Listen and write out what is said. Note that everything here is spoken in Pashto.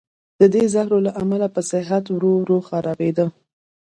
د دې زهرو له امله به صحت ورو ورو خرابېده.